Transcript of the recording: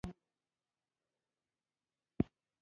پۀ څادر کښې ئې سر پټ کړے وي يو ګوټ ته ناست وي